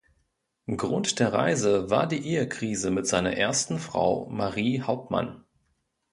Grund der Reise war die Ehekrise mit seiner ersten Frau Marie Hauptmann.